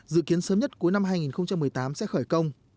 dự kiến sớm nhất cuối năm hai nghìn một mươi tám sẽ khởi công